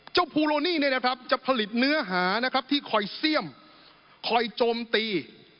ภูโลนี่นะครับจะผลิตเนื้อหานะครับที่คอยเสี่ยมคอยโจมตี